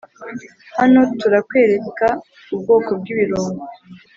hano turakwereka ubwoko bw’ibirungo